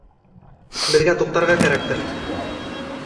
Беҙгә туҡтарға кәрәктер.